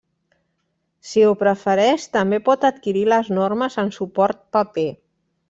Si ho prefereix, també pot adquirir les normes en suport paper.